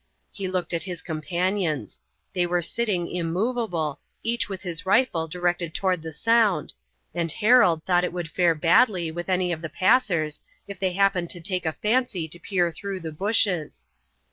He looked at his companions. They were sitting immovable, each with his rifle directed toward the sound, and Harold thought it would fare badly with any of the passers if they happened to take a fancy to peer through the bushes.